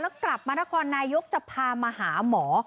แล้วกลับมานครนายกจะพามาหาหมอ